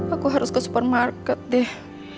aku harus ke supermarket deh